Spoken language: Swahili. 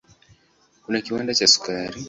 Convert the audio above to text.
Kuna kiwanda cha sukari.